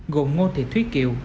gồm ngô thị thúy kiều